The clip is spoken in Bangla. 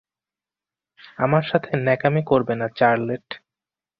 আমার সাথে নেকামি করবে না চার্লেট।